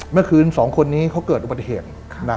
เมื่อคืน๒คนนี้เขาเกิดอุบัติเหตุ